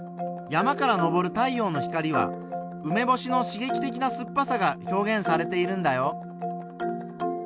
山からのぼる太陽の光はうめぼしのしげき的な酸っぱさが表現されているんだよ。